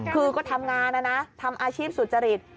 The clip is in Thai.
คือก็ทำงานนะนะทำอาชีพสุจริต